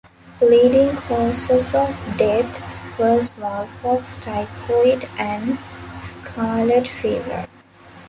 Leading causes of death were smallpox, typhoid, and scarlet fever.